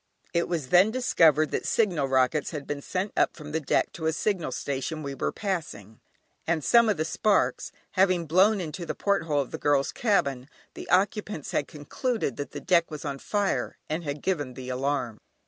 It was then discovered that signal rockets had been sent up from the deck to a signal station we were passing, and some of the sparks having blown into the porthole of the girls' cabin, the occupants had concluded that the deck was on fire, and had given the alarm.